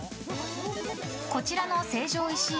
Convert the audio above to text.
こちらの成城石井